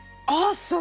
そう。